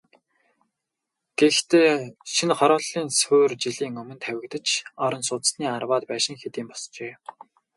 Гэхдээ шинэ хорооллын суурь жилийн өмнө тавигдаж, орон сууцны арваад байшин хэдийн босжээ.